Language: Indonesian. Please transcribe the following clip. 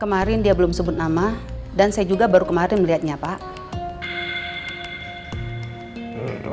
kemarin dia belum sebut nama dan saya juga baru kemarin melihatnya pak